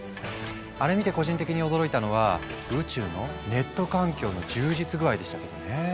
あれ見て個人的に驚いたのは宇宙のネット環境の充実具合でしたけどね。